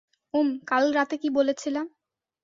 উম, কাল রাতে কি বলেছিলাম?